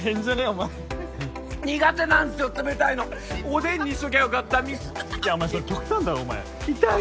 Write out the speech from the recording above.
お前苦手なんすよ冷たいのおでんにしときゃよかったミスったいやお前それ極端だろお前痛い